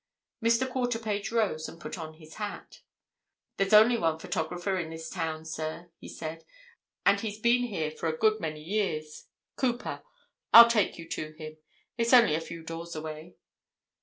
Mr. Quarterpage rose and put on his hat. "There's only one photographer in this town, sir," he said, "and he's been here for a good many years—Cooper. I'll take you to him—it's only a few doors away."